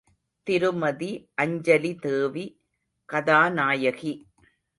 திருமதி அஞ்சலிதேவி கதாநாயகி.